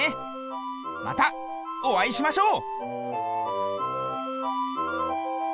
またおあいしましょう。